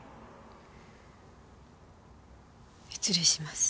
失礼します。